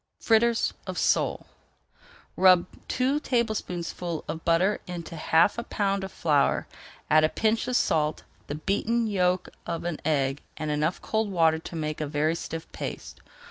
FRITTERS OF SOLE Rub two tablespoonfuls of butter into half a pound of flour, add a pinch of salt, the beaten yolk of an egg, and enough cold water to make a very stiff paste.